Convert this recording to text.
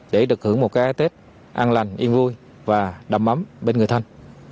để được hưởng một cái tết an lành yên vui và đầm ấm bên người thân